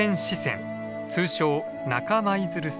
通称中舞鶴線。